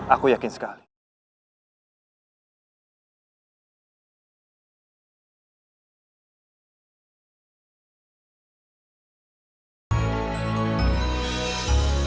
aku yakin sekali